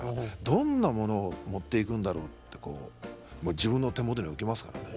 どんなものを持っていくんだろうって自分の手元に置きますからね。